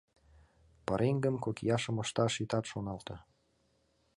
— Пареҥгым кокияшым ышташ итат шоналте.